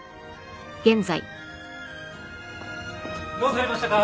どうされましたか？